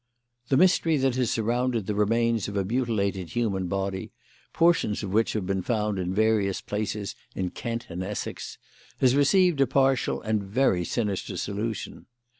"The mystery that has surrounded the remains of a mutilated human body, portions of which have been found in various places in Kent and Essex, has received a partial and very sinister solution.